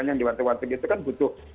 yang diwarteg warteg itu kan butuh